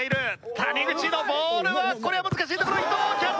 谷口のボールはこれは難しいところ伊藤キャッチ！